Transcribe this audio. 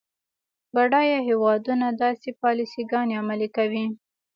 بډایه هیوادونه داسې پالیسي ګانې عملي کوي.